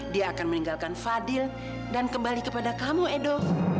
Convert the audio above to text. dia akan meninggalkan fadil dan kembali kepada kamu edo